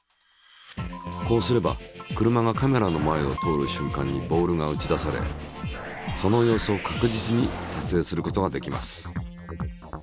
こうすれば車がカメラの前を通るしゅんかんにボールが打ち出されその様子を確実にさつえいすることができます。